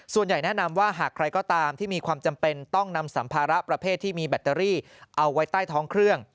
แนะนำว่าหากใครก็ตามที่มีความจำเป็นต้องนำสัมภาระประเภทที่มีแบตเตอรี่เอาไว้ใต้ท้องเครื่อง